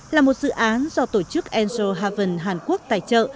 là một dự án do tổ chức angel haven hàn quốc tài trợ